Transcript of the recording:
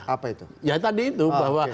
apa itu ya tadi itu bahwa